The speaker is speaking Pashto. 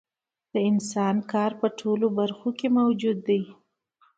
د انسان کار په ټولو برخو کې موجود دی